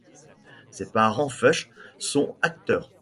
Les parents Fuchs sont acteurs.